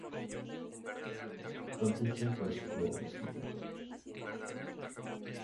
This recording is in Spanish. Huntington transformó el Instituto.